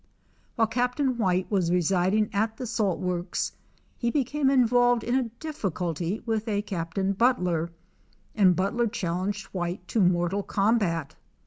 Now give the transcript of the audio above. While Captain White was residing at the salt works he became involved in a difficulty with a Captain Butler and Butler challenged White to mortal combat.